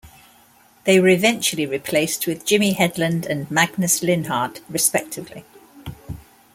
They were eventually replaced with Jimmy Hedlund and Magnus Linhardt, respectively.